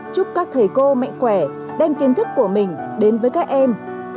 chúc các thầy cô mạnh khỏe đem kiến thức của mình đến với các em